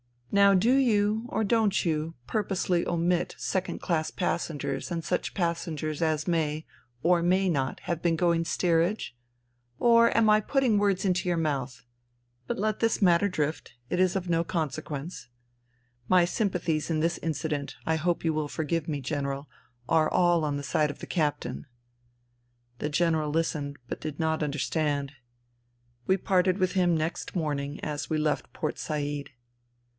Now do you, or don't you, purposely omit second class passengers and such passengers as may, or may not, have been going steerage ? Or am I put ting words into your mouth ? But let this matter drift : it is of no consequence. My sympathies in this incident, I hope you will forgive me, General, are all on the side of the captain." The General listened, but did not understand. We parted with him next morning, as we left Port Said.